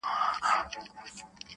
• له خپل کوششه نا امیده نه وي,